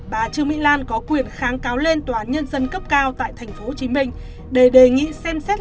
bà trương mỹ lan có quyền kháng cáo lên tnthcm để đề nghị xem xét